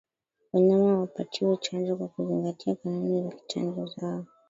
Wanyama wapatiwe chanjo kwa kuzingatia kanuni za chanjo zao